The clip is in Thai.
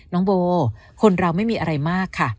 น้องโบคนเราไม่มีอะไรมากค่ะ